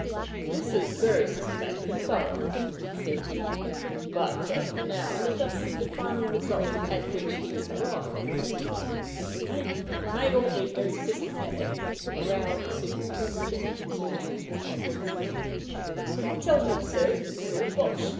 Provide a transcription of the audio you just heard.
"This is very systematic and thorough," said he. "But now let us see the final result at which he arrives." "It may be all very systematic," growled the superintendent, sorting out his papers, "but I tell you, sir, it's all BOSH!"